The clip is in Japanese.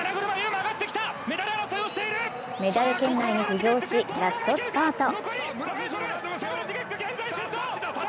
メダル圏内に浮上し、ラストスパート。